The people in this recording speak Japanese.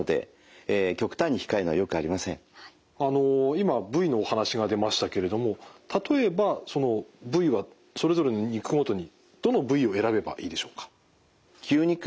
今部位のお話が出ましたけれども例えば部位はそれぞれの肉ごとにどの部位を選べばいいでしょうか？